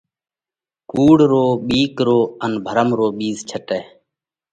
ڪُوڙ رو، ٻِيڪ رو ان ڀرم رو ٻِيز ڇٽئه